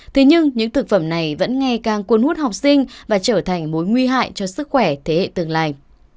thế nhưng những thực phẩm này vẫn ngày càng cuốn hút học sinh và trở thành mối nguy hại cho sức khỏe thế hệ tương lai